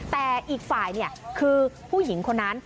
แต่อีกฝ่ายคือผู้หญิงคนนั้น